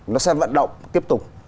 nó sẽ vận động tiếp tục